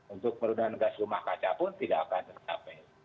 untuk menurunkan gas rumah kaca pun tidak akan tercapai